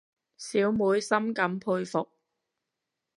小妹深感佩服